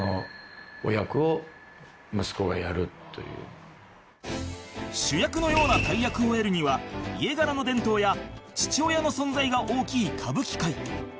「ああ」主役のような大役を得るには家柄の伝統や父親の存在が大きい歌舞伎界